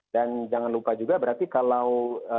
dan jangan lupa juga berarti kalau